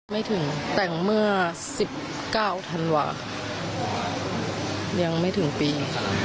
ไม่ถึงแต่งเมื่อ๑๙ธันวายังไม่ถึงปี